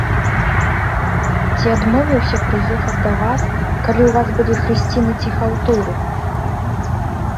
Ці адмовіўся прыехаць да вас, калі ў вас былі хрысціны ці хаўтуры?